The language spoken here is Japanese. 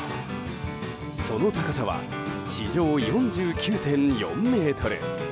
その高さは地上４９．４ｍ。